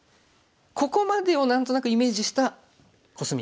ここまでを何となくイメージしたコスミ。